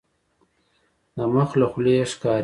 د مخ له خولیې یې ښکاري.